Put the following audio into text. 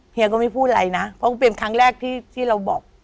เฮียก็ไม่พูดอะไรนะเพราะมันเป็นครั้งแรกที่เราบอก